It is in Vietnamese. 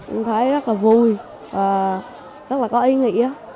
em thấy rất là vui và rất là có ý nghĩa